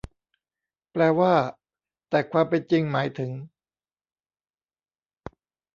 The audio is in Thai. แปลว่า แต่ความเป็นจริงหมายถึง